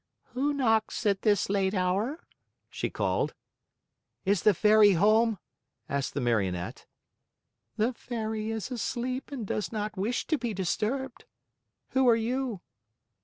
"Who knocks at this late hour?" she called. "Is the Fairy home?" asked the Marionette. "The Fairy is asleep and does not wish to be disturbed. Who are you?"